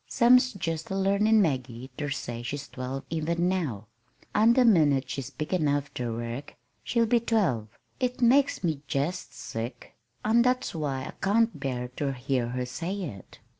Sam's jest a learnin' Maggie ter say she's twelve even now, an' the minute she's big enough ter work she will be twelve. It makes me jest sick; an' that's why I can't bear ter hear her say it."